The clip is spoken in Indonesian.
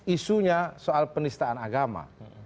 isunya soal penistaan agama